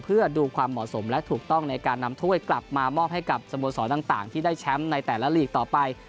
เพื่อดูความเหมาะสมและถูกต้องในการนำถ้วยกลับมามอบให้กับสโมสรต่างที่ได้แชมป์ในแต่ละลีกต่อไป